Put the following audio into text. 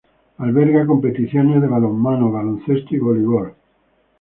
Alberga competiciones de balonmano, baloncesto y voleibol.